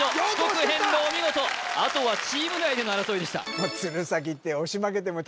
お見事あとはチーム内での争いでしたねえ